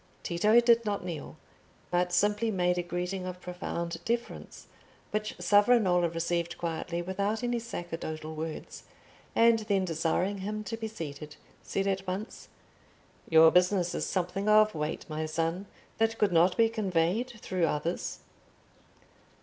Tito did not kneel, but simply made a greeting of profound deference, which Savonarola received quietly without any sacerdotal words, and then desiring him to be seated, said at once— "Your business is something of weight, my son, that could not be conveyed through others?"